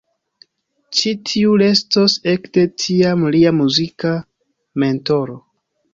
Ĉi tiu restos ekde tiam lia muzika mentoro.